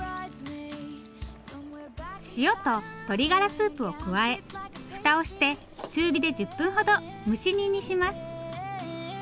塩と鶏がらスープを加え蓋をして中火で１０分ほど蒸し煮にします。